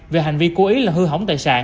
về hành vi cố ý là hư hỏng tài sản